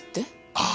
ああ。